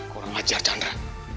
kurang ajar chandra